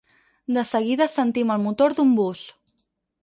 De seguida sentim el motor d'un bus.